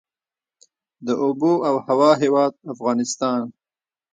د اوبو او هوا هیواد افغانستان.